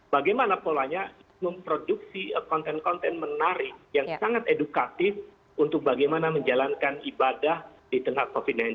bagaimana polanya memproduksi konten konten menarik yang sangat edukatif untuk bagaimana menjalankan ibadah di tengah covid sembilan belas